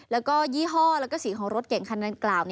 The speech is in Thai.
และก็ยี่ห้อและก็สินของรถเก่งขนาดกล่าว